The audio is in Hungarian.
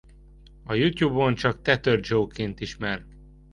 YouTube-on csak ThatcherJoe-ként ismert.